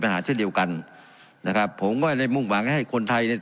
หาเช่นเดียวกันนะครับผมก็ได้มุ่งหวังให้คนไทยเนี้ย